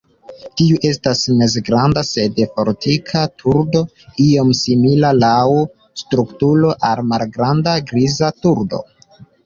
Tiu estas mezgranda sed fortika turdo, iom simila laŭ strukturo al malgranda Griza turdo.